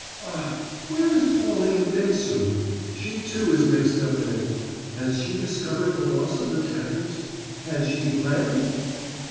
Ah, where is Pauline Dessaulx? She, too, is mixed up in it. Has she discovered the loss of the daggers? Has she fled?"